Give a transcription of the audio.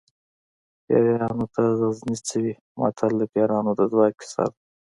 پیریانو ته غزني څه وي متل د پیریانو د ځواک کیسه ده